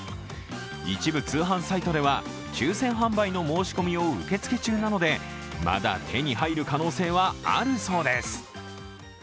一部通販サイトでは抽選販売の申し込みを受け付け中なのでまだ手に入る可能性はあるそうです。